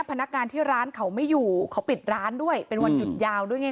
พนักงานที่ร้านเขาไม่อยู่เขาปิดร้านด้วยเป็นวันหยุดยาวด้วยไง